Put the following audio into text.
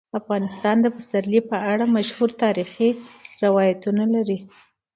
افغانستان د پسرلی په اړه مشهور تاریخی روایتونه لري.